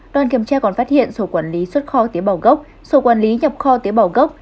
đoàn kiểm tra còn phát hiện sổ quản lý xuất kho tế bào gốc sổ quản lý nhập kho tế bào gốc